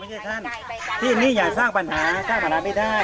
ท่านที่นี่อย่าสร้างปัญหาสร้างปัญหาไม่ได้